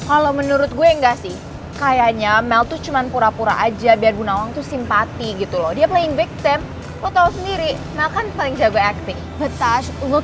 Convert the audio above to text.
ah lo sih bikin gue tambah kepo kan